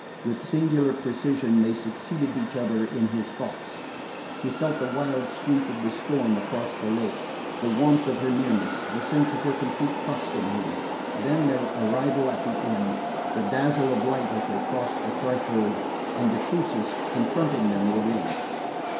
With singular precision they succeeded each other in his thoughts. He felt the wild sweep of the storm across the lake, the warmth of her nearness, the sense of her complete trust in him; then their arrival at the inn, the dazzle of light as they crossed the threshold, and de Crucis confronting them within.